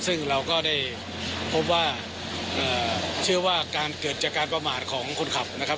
ซึ่งเราก็ได้พบว่าเชื่อว่าการเกิดจากการประมาทของคนขับนะครับ